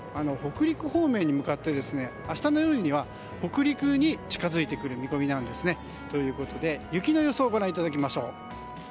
北陸方面に向かって明日の夜には北陸に近づいてくる見込みなんです。ということで、雪の予想をご覧いただきましょう。